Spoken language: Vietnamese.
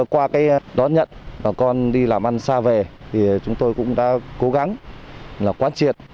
qua đón nhận bà con đi làm ăn xa về chúng tôi cũng đã cố gắng quan triệt